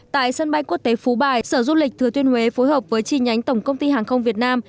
tại sân bay quốc tế phú bài sở du lịch thừa tuyên huế phối hợp với chi nhánh tổng công ty hàng không việt nam